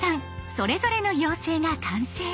それぞれの妖精が完成。